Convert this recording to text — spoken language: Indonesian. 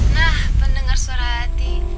nah pendengar surahati